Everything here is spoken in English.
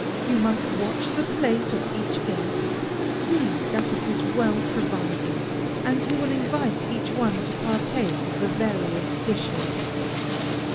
You must watch the plate of each guest, to see that it is well provided, and you will invite each one to partake of the various dishes.